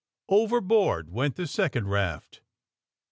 Overboard went the second raft.